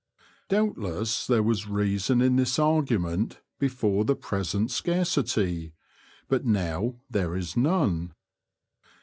Doubtless there was reason in this argument before the present scarcity, but now there is none.